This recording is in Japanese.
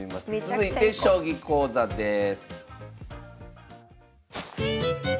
続いて将棋講座です。